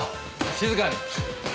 静かに。